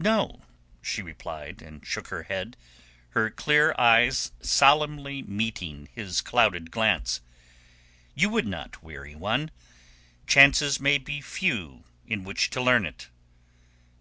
"No," she replied, and shook her head, her clear eyes solemnly meeting his clouded glance. "You would not weary me. Chances may be few in which to learn it."